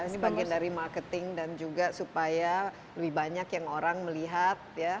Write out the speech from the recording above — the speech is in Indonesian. sebagian dari marketing dan juga supaya lebih banyak yang orang melihat